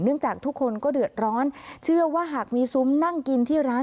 จากทุกคนก็เดือดร้อนเชื่อว่าหากมีซุ้มนั่งกินที่ร้าน